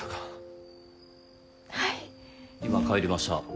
・今帰りました。